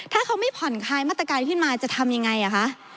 ถ้าเขาไม่ผ่อนคลายมาตรการขึ้นมาจะทำยังไงคะ